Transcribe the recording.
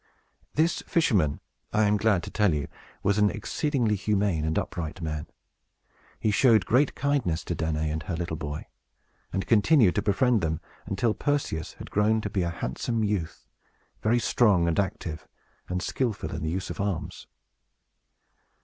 This fisherman, I am glad to tell you, was an exceedingly humane and upright man. He showed great kindness to Danaë and her little boy; and continued to befriend them, until Perseus had grown to be a handsome youth, very strong and active, and skillful in the use of arms.